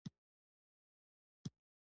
بابریان ګورکانیان او مغولان هم بلل کیږي.